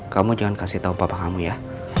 kamu jangan kasih tau bapak kamu ya